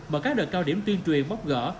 bởi các đợt cao điểm tuyên truyền bóc gỡ